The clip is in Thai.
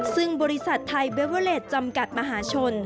ซึ่งบริษัทไทยเบเวอร์เลสจำกัดมหาชน